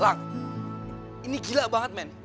lang ini gila banget men